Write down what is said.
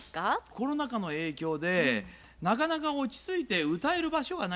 コロナ禍の影響でなかなか落ち着いて歌える場所がないんですよね。